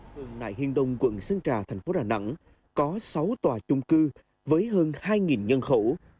phường nại hiên đông quận sơn trà thành phố đà nẵng có sáu tòa chung cư với hơn hai nhân khẩu